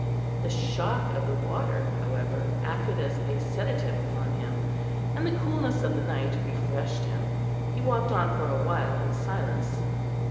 The shock of the water, however, acted as a sedative upon him, and the coolness of the night refreshed him. He walked on for a while in silence.